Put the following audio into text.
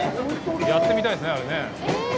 やってみたいですね、あれね。